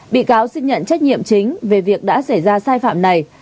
bị cáo xin nhận trách nhiệm chính về việc đã xảy ra sai phạm này